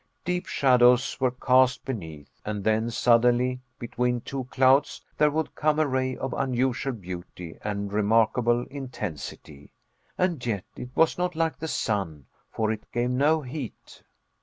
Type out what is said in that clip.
Deep shadows were cast beneath, and then suddenly, between two clouds, there would come a ray of unusual beauty, and remarkable intensity. And yet it was not like the sun, for it gave no heat.